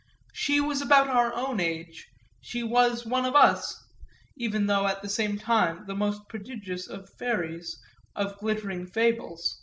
She was about of our own age, she was one of us, even though at the same time the most prodigious of fairies, of glittering fables.